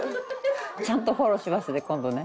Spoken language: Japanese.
ちゃんとフォローしますね今度ね。